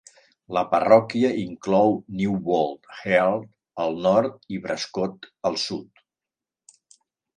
La parròquia inclou Newbold Health al nord i Brascote al sud.